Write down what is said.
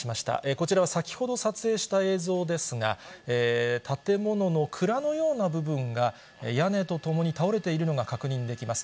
こちらは先ほど撮影した映像ですが、建物の蔵のような部分が、屋根とともに倒れているのが確認できます。